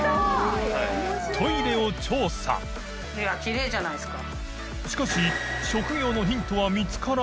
キレイじゃないですか。